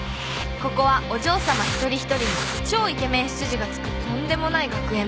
ここはお嬢さま一人一人に超イケメン執事がつくとんでもない学園だ。